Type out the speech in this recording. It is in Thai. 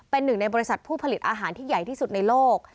เป็นหนึ่งในบริษัทผู้ผลิตอาหารที่ใหญ่ที่สุดในโลก